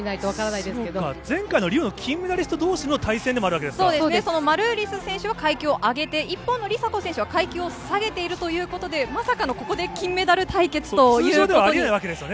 そうか、前回のリオの金メダリストどうしの対戦でもあるわけマルーリス選手は階級を上げて、一方の梨紗子選手は階級を下げているということで、まさかのここで金メダル対決ということになるわけですよね。